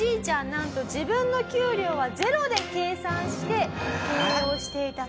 なんと自分の給料はゼロで計算して経営をしていたと。